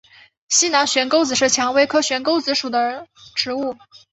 西南悬钩子是蔷薇科悬钩子属的植物。